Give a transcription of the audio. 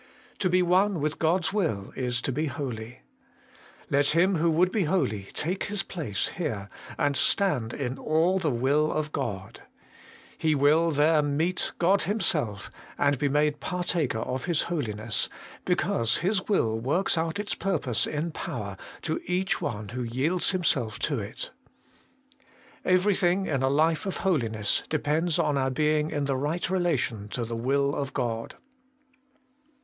To be one with God's will is to be holy. Let him who would be holy take his place here and 'stand in all the will of God.' He will there HOLINESS AND THE WILL OP GOD. 229 meet God Himself, and be made partaker of His Holiness, because His will works out its purpose in power to each one who yields himself to it. Every thing in a life of holiness depends upon our being in the right relation to the will of God.